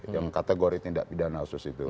yang kategori tindak pidana khusus itu